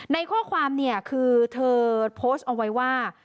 ในข้อความเนี่ยคือเธอโพสต์เอาไว้ว่า